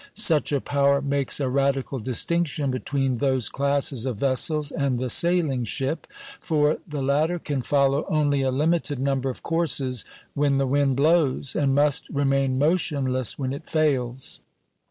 Such a power makes a radical distinction between those classes of vessels and the sailing ship; for the latter can follow only a limited number of courses when the wind blows, and must remain motionless when it fails.